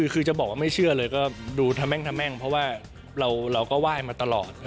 คือจะบอกว่าไม่เชื่อเลยก็ดูทะแม่งทะแม่งเพราะว่าเราก็ไหว้มาตลอด